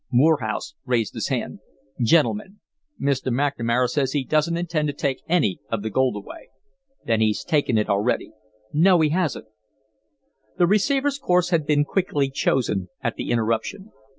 Morehouse raised his hand. "Gentlemen, Mr. McNamara says he doesn't intend to take any of the gold away." "Then he's taken it already." "No, he hasn't." The receiver's course had been quickly chosen at the interruption.